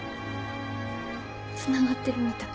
つながってるみたい。